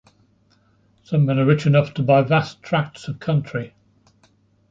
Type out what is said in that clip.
Some men are rich enough to buy vast tracts of country.